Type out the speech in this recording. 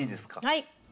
はい。